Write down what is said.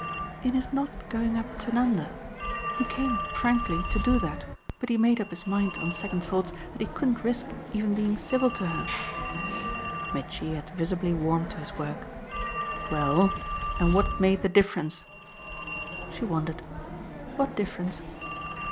"In his not going up to Nanda. He came frankly to do that, but made up his mind on second thoughts that he couldn't risk even being civil to her." Mitchy had visibly warmed to his work. "Well, and what made the difference?" She wondered. "What difference?"